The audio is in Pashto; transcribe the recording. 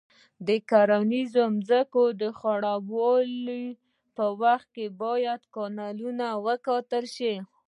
د کرنیزو ځمکو د خړوبولو په وخت کې باید کانالونه وکتل شي.